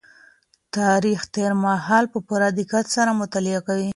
تاريخ تېر مهال په پوره دقت سره مطالعه کوي.